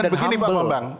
bukan begini pak bambang